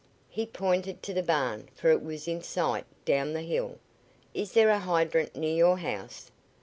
He pointed to the barn, for it was in sight down the hill. "Is there a hydrant near your house?"